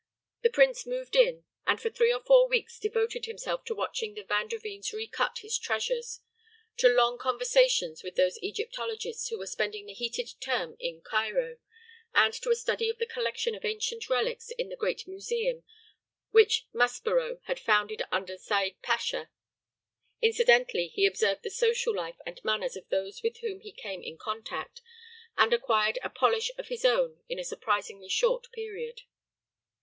The prince moved in, and for three or four weeks devoted himself to watching the Van der Veens recut his treasures, to long conversations with those Egyptologists who were spending the heated term in Cairo, and to a study of the collection of ancient relics in the great museum which Maspero had founded under Said Pasha. Incidentally he observed the social life and manners of those with whom he came in contact, and acquired a polish of his own in a surprisingly short period.